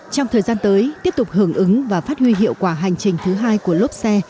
trong thời gian tới tiếp tục hưởng ứng và phát huy hiệu quả hành trình thứ hai của lốp xe